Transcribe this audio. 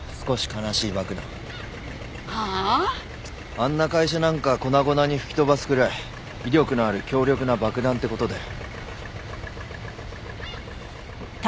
あんな会社なんか粉々に吹き飛ばすぐらい威力のある強力な爆弾って事だよ。